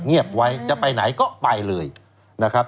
ไว้จะไปไหนก็ไปเลยนะครับ